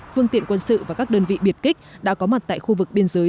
phương tiện quân sự và các đơn vị biệt kích đã có mặt tại khu vực biên giới